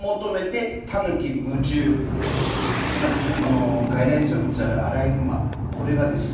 これはですね外来生物である洗熊これがですね